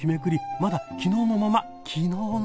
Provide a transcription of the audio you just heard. まだ昨日のまま昨日の。